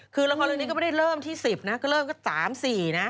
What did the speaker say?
คือละครเรื่องนี้ก็ไม่ได้เริ่มที่๑๐นะก็เริ่มก็๓๔นะ